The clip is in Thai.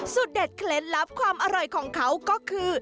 เด็ดเคล็ดลับความอร่อยของเขาก็คือ